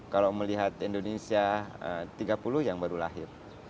kalau mau lihat indonesia tiga puluh tahun lagi yang baru lahir